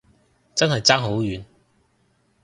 真係爭好遠